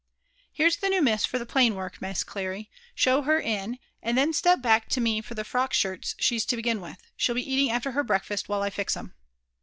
''Here's the new Miss for the plain work. Miss Clary. Show her in ; and then step back to me for the froc^ skirts she's to begin with. She'll be after eating her breakfast while I fix 'em.